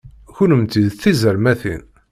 Kennemti d tizermatin!